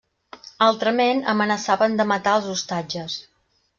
Altrament, amenaçaven de matar els ostatges.